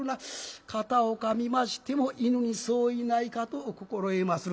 「片岡見ましても犬に相違ないかと心得まする」。